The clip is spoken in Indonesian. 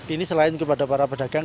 ini selain kepada para pedagang